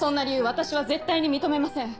私は絶対に認めません。